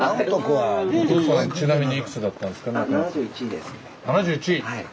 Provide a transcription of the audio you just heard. はい。